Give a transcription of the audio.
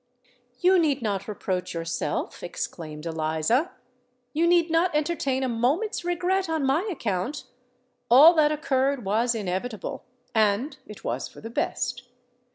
"You need not reproach yourself," exclaimed Eliza: "you need not entertain a moment's regret on my account! All that occurred was inevitable—and it was for the best.